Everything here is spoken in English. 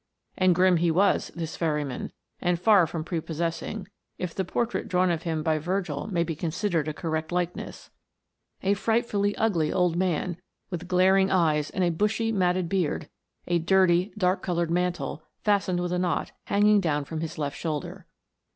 And grim he was, this ferryman, and far from prepossessing, if the portrait drawn of him by Virgil may be considered a correct likeness : a frightfully ugly old man, with glaring eyes and a bushy, matted beard ; a dirty, dark coloured mantle, fastened with a knot, hanging down from his left shoulder.